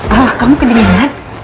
ah kamu kedenginan